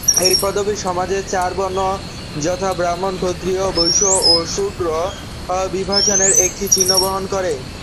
এই পদবী সমাজের চার বর্ণ যথা- ব্রাহ্মণ, ক্ষত্রিয়, বৈশ্য ও শূদ্র বিভাজনের একটি চিহ্ন বহন করে।